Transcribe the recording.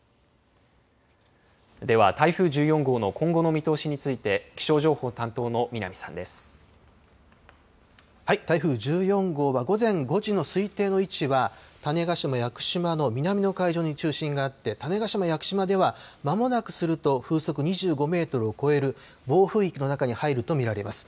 では、台風１４号の今後の見通しについて台風１４号は午前５時の推定の位置は種子島、屋久島の南の海上に中心があって種子島、屋久島ではまもなくすると風速２５メートルを超える暴風域の中に入ると見られます。